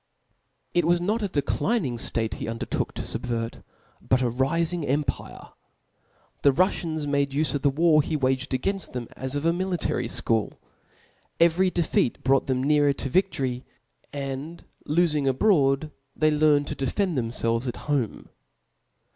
It was not a declining ftate he undertook tofub vert, but a rifing empire. The Ruffians made ufe of the war he waged againft them, as of a mi litary fchool. Every defeat brought them nearer to viftory ; and lofing abroad, tbcy learnt to de* fend themfelves^ at home.